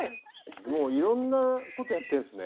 もういろんなことやってるんですね。